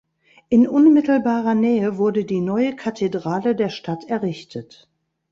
In unmittelbarer Nähe wurde die neue Kathedrale der Stadt errichtet.